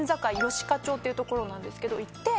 吉賀町っていう所なんですけど行って。